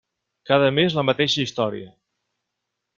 Cada mes, la mateixa història.